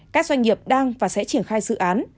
các doanh nghiệp đang và sẽ triển khai dự án